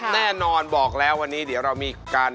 แน่นอนบอกแล้ววันนี้เดี๋ยวเรามีการ